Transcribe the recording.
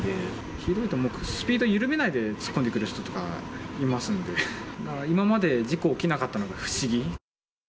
ひどいとスピード緩めないで突っ込んでくる人とかいますんで、今まで事故起きなかったのが不思議。